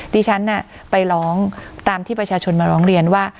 ดิฉันไปร้องตามที่ประชาชนมาร้องเรียนว่า